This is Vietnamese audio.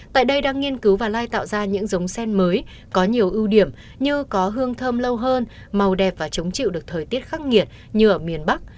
tại đây đang nghiên cứu và lai tạo ra những giống sen mới có nhiều ưu điểm như có hương thơm lâu hơn màu đẹp và chống chịu được thời tiết khắc nghiệt như ở miền bắc